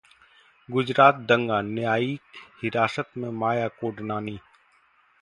गुजरात दंगा: न्यायिक हिरासत में माया कोडनानी